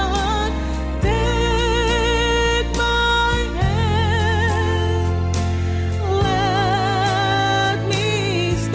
ke tempat yang besar